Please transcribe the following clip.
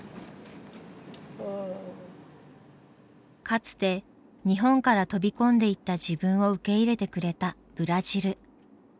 かつて日本から飛び込んでいった自分を受け入れてくれたブラジル。